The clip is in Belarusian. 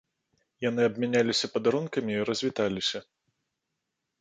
Яны абмяняліся падарункамі і развіталіся.